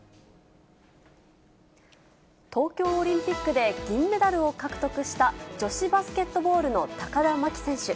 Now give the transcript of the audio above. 東京オリンピックで銀メダルを獲得した女子バスケットボールの高田真希選手。